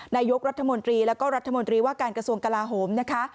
นายกรัฐมนตรีแล้วก็รัฐมนตรีว่าการกระทรวงกลาโหมนะคะ